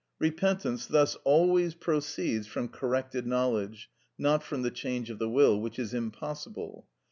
Repentance thus always proceeds from corrected knowledge, not from the change of the will, which is impossible.